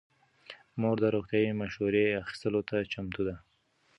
مور د روغتیايي مشورې اخیستلو ته چمتو ده.